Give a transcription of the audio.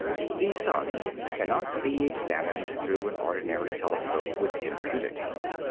The sun cannot be examined through an ordinary telescope with impunity.